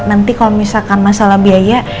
nanti kalau misalkan masalah biaya